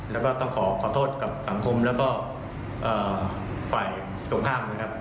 แล้วก็ต้องขอขอโทษกับสังคมแล้วก็ฝ่ายตรงข้ามนะครับ